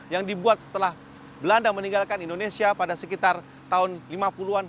yang dibuat setelah belanda meninggalkan indonesia pada sekitar tahun lima puluh an